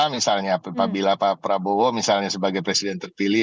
misalnya apabila pak prabowo misalnya sebagai presiden terpilih